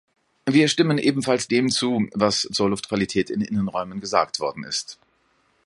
Wir stimmen ebenfalls dem zu, was zur Luftqualität in Innenräumen gesagt worden ist.